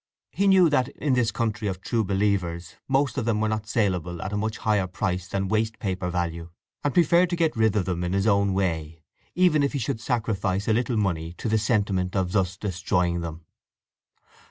He knew that, in this country of true believers, most of them were not saleable at a much higher price than waste paper value, and preferred to get rid of them in his own way, even if he should sacrifice a little money to the sentiment of thus destroying them.